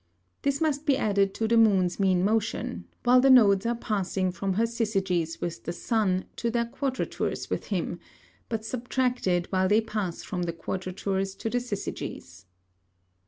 This must be added to the Moon's mean Motion, while the Nodes are passing from their Syzygys with the Sun, to their Quadratures with him; but subtracted while they pass from the Quadratures to the Syzygys.